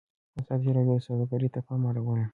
ازادي راډیو د سوداګري ته پام اړولی.